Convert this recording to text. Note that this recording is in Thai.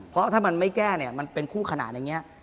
เพราะถ้ามันไม่แก้เนี่ยมันเป็นคู่ขนาดอย่างนี้